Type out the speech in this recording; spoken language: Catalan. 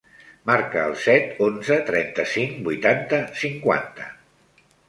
Marca el set, onze, trenta-cinc, vuitanta, cinquanta.